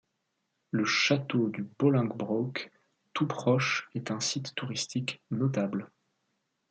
Le château de Bolingbroke tout proche est un site touristique notable.